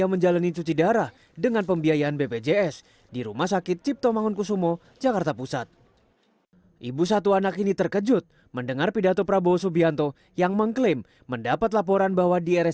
selang untuk mengalirkan darah